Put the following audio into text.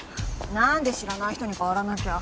何で知らない人に代わらなきゃ。